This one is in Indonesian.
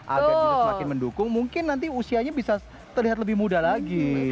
agar bisa semakin mendukung mungkin nanti usianya bisa terlihat lebih muda lagi